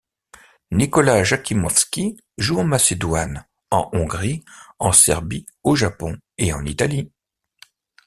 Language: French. Nikola Jakimovski joue en Macédoine, en Hongrie, en Serbie, au Japon et en Italie.